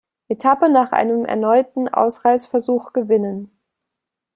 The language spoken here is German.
Etappe nach einem erneuten Ausreißversuch gewinnen.